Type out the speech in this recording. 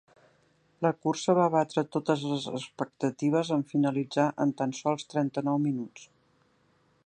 La cursa va batre totes les expectatives en finalitzar en tan sols trenta-nou minuts.